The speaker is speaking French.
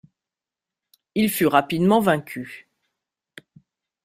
Il fut rapidement vaincu.